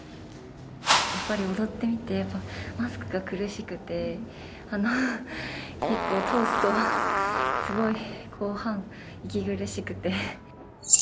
やっぱり踊ってみて、マスクが苦しくて、結構、通すと、すごい後半、息苦しくて。